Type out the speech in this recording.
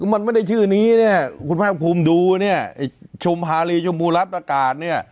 มันไม่ได้ชื่อนี้เนี่ยคุณภาคภูมิดูเนี่ยไอ้ชุมฮารีชมพูรัฐประกาศเนี่ย